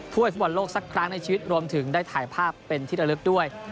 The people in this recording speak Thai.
ฟุตบอลโลกสักครั้งในชีวิตรวมถึงได้ถ่ายภาพเป็นที่ระลึกด้วย